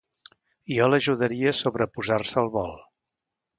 Jo l'ajudaria a sobreposar-se al vol!